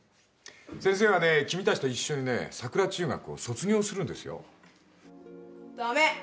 先生はね君達と一緒にね桜中学を卒業するんですよダメ！